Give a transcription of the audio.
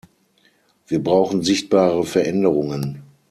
Wir brauchen sichtbare Veränderungen.